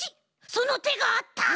そのてがあった！